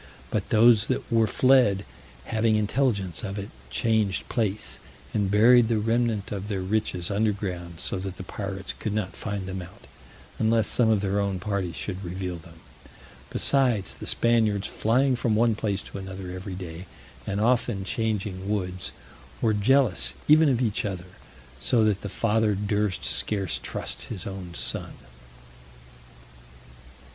But those that were fled, having intelligence of it, changed place, and buried the remnant of their riches underground, so that the pirates could not find them out, unless some of their own party should reveal them. Besides, the Spaniards flying from one place to another every day, and often changing woods, were jealous even of each other, so that the father durst scarce trust his own son.